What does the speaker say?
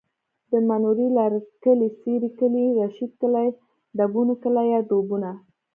د منورې لرکلی، سېرۍ کلی، رشید کلی، ډبونو کلی یا ډبونه